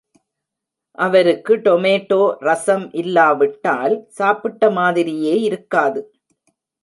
அவருக்கு டொமெட்டோ ரஸம் இல்லாவிட்டால் சாப்பிட்ட மாதிரியே இருக்காது.